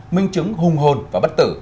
minh chứng hung hồn và bất tử